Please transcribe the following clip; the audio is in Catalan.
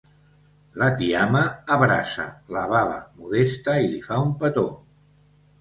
La tiama abraça la baba Modesta i li fa un petó.